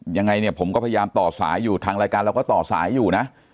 ยังไงเนี่ยผมก็พยายามต่อสายอยู่ทางรายการเราก็ต่อสายอยู่นะ